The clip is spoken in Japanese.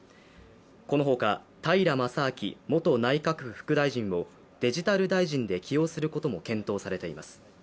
このほか、平将明元内閣府副大臣をデジタル大臣で起用することも検討されています。